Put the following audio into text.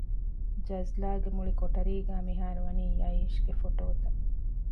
ޖަޒްލާގެ މުޅި ކޮޓަރީގައި މިހާރުވަނީ ޔައީޝްގެ ފޮޓޯތައް